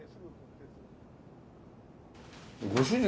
ご主人